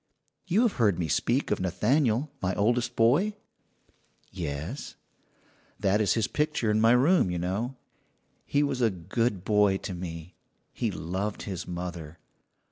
You have heard me speak of Nathaniel, my oldest boy?" "Yes." "That is his picture in my room, you know. He was a good boy to me. He loved his mother.